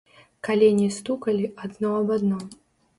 Калені стукалі адно аб адно.